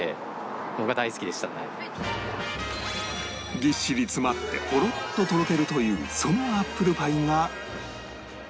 ぎっしり詰まってホロっととろけるというそのアップルパイが